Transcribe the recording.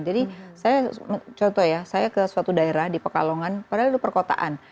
jadi saya contoh ya saya ke suatu daerah di pekalongan padahal itu perkotaan